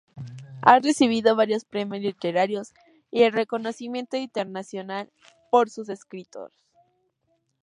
Ha recibido varios premios literarios y el reconocimiento internacional por sus escritos.